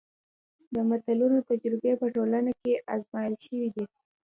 د متلونو تجربې په ټولنه کې ازمایل شوي دي